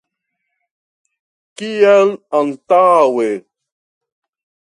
Kiel antaŭe.